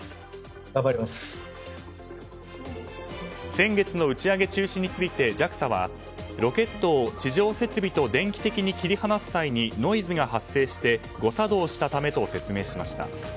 先月の打ち上げ中止についてＪＡＸＡはロケットを地上設備と電気的に切り離す際にノイズが発生して誤作動したためと説明しました。